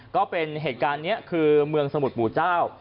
ก็เป็นเหตุการณ์นี้คือเมืองสมุทรปู่เจ้า